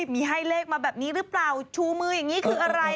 มีให้เลขมาแบบนี้หรือเปล่าชูมืออย่างนี้คืออะไร